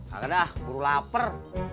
gak ada lah gue lapar